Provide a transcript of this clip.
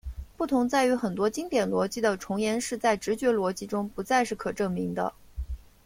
不同在于很多经典逻辑的重言式在直觉逻辑中不再是可证明的。